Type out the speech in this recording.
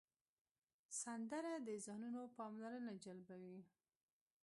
سندره د ذهنونو پاملرنه جلبوي